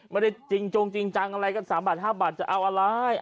ไม่ได้จริงจงจริงจังอะไรกัน๓บาท๕บาทจะเอาอะไร